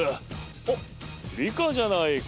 おっリカじゃないか。